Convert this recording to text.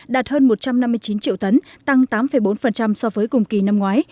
đạt hơn một trăm năm mươi chín triệu tấn tăng tám bốn so với cùng kỳ năm ngoái